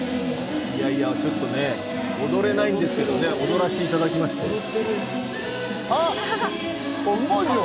ちょっとね、踊れないんですけどね、踊らせていただきました。